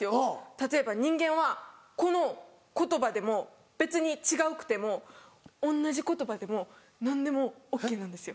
例えば人間はこの言葉でも別に違くても同じ言葉でも何でもＯＫなんですよ。